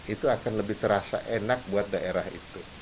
itu akan lebih terasa enak buat daerah itu